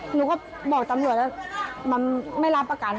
หนูก็บอกตำรวจมันไม่รับประกาศ